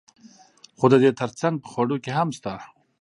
خو د دې ترڅنګ په خوړو کې هم شته.